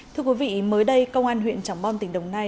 thưa quý vị mới đây công an huyện trọng bon tỉnh đồng nai